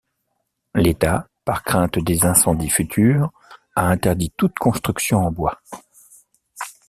L'État, par crainte des incendies futurs, a interdit toute construction en bois.